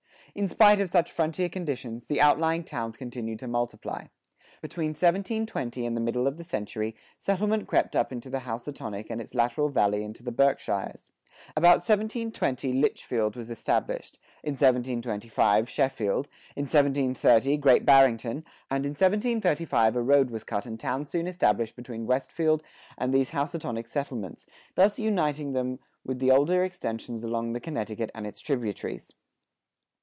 In spite of such frontier conditions, the outlying towns continued to multiply. Between 1720 and the middle of the century, settlement crept up the Housatonic and its lateral valley into the Berkshires. About 1720 Litchfield was established; in 1725, Sheffield; in 1730, Great Barrington; and in 1735 a road was cut and towns soon established between Westfield and these Housatonic settlements, thus uniting them with the older extensions along the Connecticut and its tributaries.